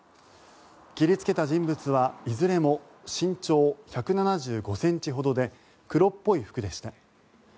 切りつけた人物はいずれも身長１７５ｃｍほどで黒っぽい服でした。